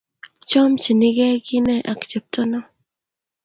Chomchinigei kine ak chepto no?